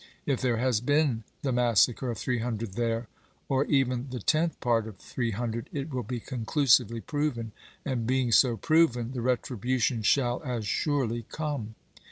If there has been the massacre of three hundred there, or even the tenth part of three hundred, it will be conclusively proven ; and, being so proven, the retribution shall as surely Raymond, eomc.